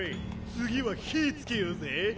次は火つけようぜ。